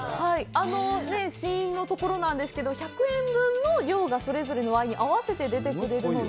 試飲のところなんですけど、１００円分の量がそれぞれのワインに合わせて出てくれるので、